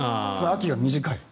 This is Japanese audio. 秋が短い。